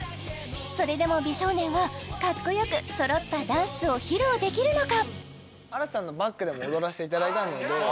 それでも美少年はかっこよく揃ったダンスを披露できるのか？